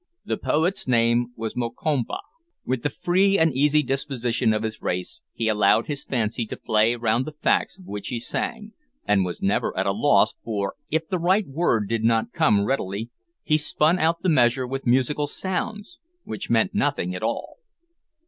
The poet's name was Mokompa. With the free and easy disposition of his race, he allowed his fancy to play round the facts of which he sang, and was never at a loss, for, if the right word did not come readily, he spun out the measure with musical sounds which meant nothing at all.